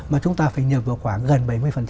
mà chúng ta phải nhập vào khoảng gần bảy mươi